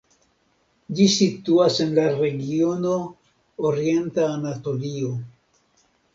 Ĝi situas en la regiono Orienta Anatolio.